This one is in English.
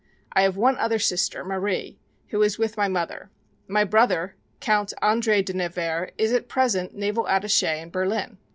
I have one other sister, Marie, who is with my mother. My brother, Count André de Nevers is at present Naval Attaché at Berlin.